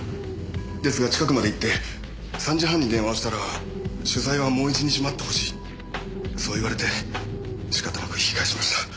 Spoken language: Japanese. ですが近くまで行って３時半に電話をしたら取材はもう１日待ってほしいそう言われて仕方なく引き返しました。